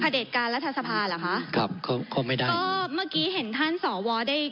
ประเด็จการรัฐสภาเหรอคะครับเข้าเข้าไม่ได้อ้อเมื่อกี้เห็นท่านสอวรได้